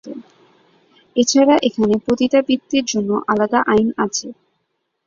এছাড়া এখানে পতিতাবৃত্তির জন্য আলাদা আইন আছে।